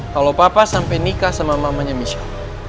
kalau papa sampai nikah sama mamanya michelle